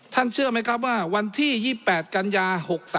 เชื่อไหมครับว่าวันที่๒๘กันยา๖๓